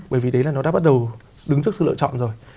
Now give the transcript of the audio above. bởi vì đấy là nó đã bắt đầu đứng trước sự lựa chọn rồi